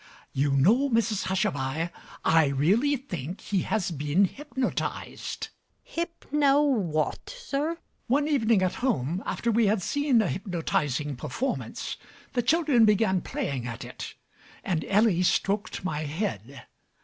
You know, Mrs Hushabye, I really think he has been hypnotized. GUINNESS. Hip no what, sir? MAZZINI. One evening at home, after we had seen a hypnotizing performance, the children began playing at it; and Ellie stroked my head.